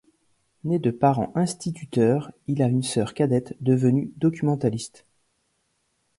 Né de parents instituteurs, il a une sœur cadette, devenue documentaliste.